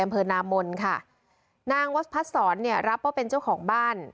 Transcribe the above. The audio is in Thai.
อำเภอนามนค่ะนางวัสพพัดศรเนี่ยรับว่าเป็นเจ้าของบ้าน